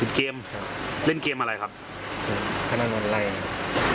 ติดเกมเล่นเกมอะไรครับค้าเหตุเกมอะไรครับ